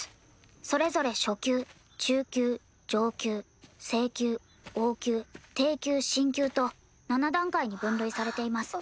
それぞれ初級中級上級聖級王級帝級神級と７段階に分類されています。